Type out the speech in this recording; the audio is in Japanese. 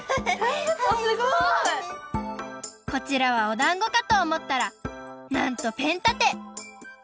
すごい！こちらはおだんごかとおもったらなんとペンたて！